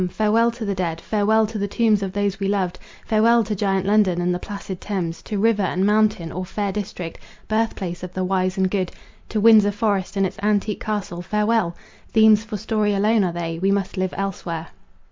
Farewell to the dead! farewell to the tombs of those we loved!—farewell to giant London and the placid Thames, to river and mountain or fair district, birth place of the wise and good, to Windsor Forest and its antique castle, farewell! themes for story alone are they,—we must live elsewhere.